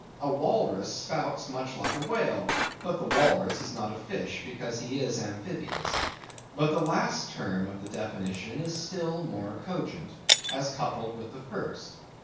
A walrus spouts much like a whale, but the walrus is not a fish, because he is amphibious. But the last term of the definition is still more cogent, as coupled with the first.